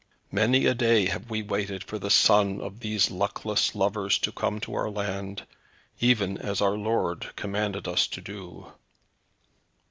Many a day have we waited for the son of these luckless lovers to come to our land, even as our lord commanded us to do."